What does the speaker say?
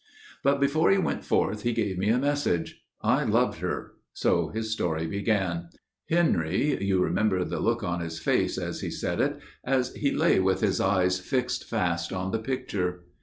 But before he went forth he gave me a message. "I loved her," so his story began. Henry, You remember the look on his face as he said it, As he lay with his eyes fixed fast on the Picture?